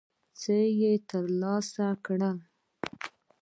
څه ترلاسه کړل.